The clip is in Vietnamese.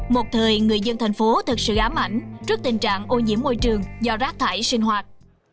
một thời người dân thành phố thật sự ám ảnh trước tình trạng ô nhiễm môi trường do rác thải sinh hoạt